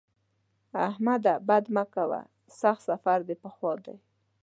احمده! بد مه کوه؛ سخت سفر دې په خوا دی.